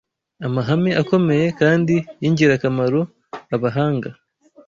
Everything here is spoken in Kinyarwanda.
Amahame akomeye kandi y’ingirakamaro abahanga